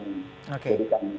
yang diberikan pendekatan utama